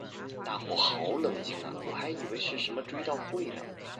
大伙好冷静啊我还以为是什么追悼会呢